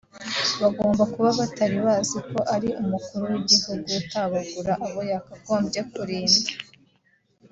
Bagomba kuba batari bazi ko ari umukuru w’igihugu utabagura abo yakagombye kurinda